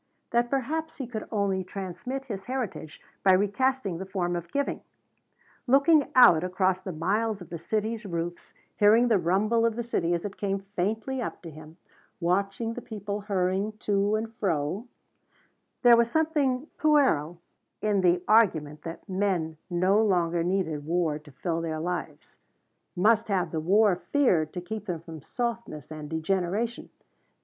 That perhaps he could only transmit his heritage by recasting the form of giving. Looking out across the miles of the city's roofs, hearing the rumble of the city as it came faintly up to him, watching the people hurrying to and fro, there was something puerile in the argument that men any longer needed war to fill their lives, must have the war fear to keep them from softness and degeneration.